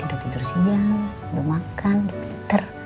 udah tidur siang udah makan udah pinter